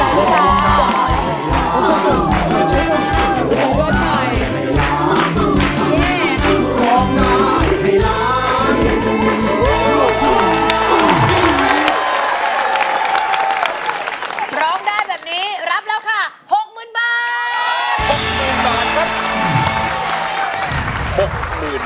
ร้องได้แบบนี้รับแล้วค่ะ๖๐๐๐บาทครับ